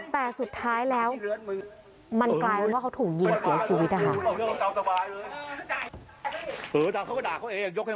แต่สุดท้ายแล้วมันกลายเป็นว่าเขาถูกยิงเสียชีวิตนะคะ